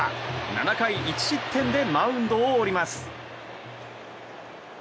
７回１失点でマウンドを降ります。